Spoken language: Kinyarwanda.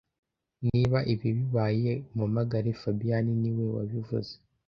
Niba ibi bibaye, umpamagare fabien niwe wabivuze